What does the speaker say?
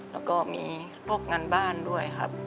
แล้วก็มีพวกงานบ้านด้วยครับ